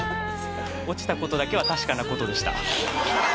落ちた事だけは『たしかなこと』でした。